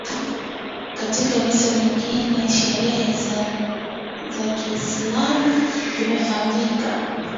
Katika visa vingine sherehe za za Kiislamu zimefanyika